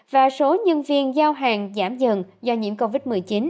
và số nhân viên giao hàng giảm dần do nhiễm covid một mươi chín